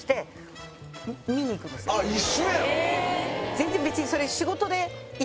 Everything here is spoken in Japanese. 全然別にそれ。